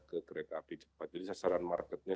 ke kereta api cepat jadi sasaran marketnya